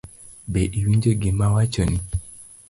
Be iwinjo gima awachoni?